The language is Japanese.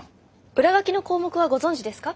裏書きの項目はご存じですか？